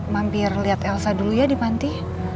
mampir lihat elsa dulu ya di panti